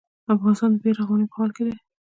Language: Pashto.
افغانستان د بیا رغونې په حال کې دی